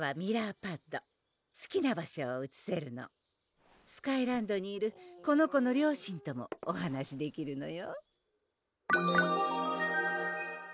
パッドすきな場所をうつせるのスカイランドにいるこの子の両親ともお話できるのよ